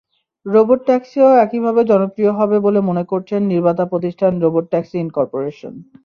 Robot ট্যাক্সিও একইভাবে জনপ্রিয় হবে বলে মনে করছে নির্মাতা প্রতিষ্ঠান রোবট ট্যাক্সি ইনকরপোরেশন।